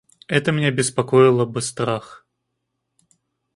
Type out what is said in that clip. Это меня беспокоило бы страх.